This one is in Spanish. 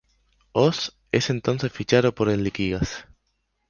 Oss es entonces fichado por el Liquigas.